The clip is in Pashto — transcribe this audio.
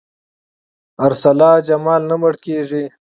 ارسلا جمال نه مړ کېږي.